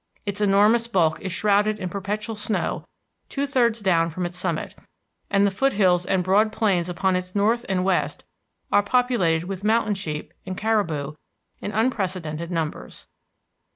Its enormous bulk is shrouded in perpetual snow two thirds down from its summit, and the foothills and broad plains upon its north and west are populated with mountain sheep and caribou in unprecedented numbers.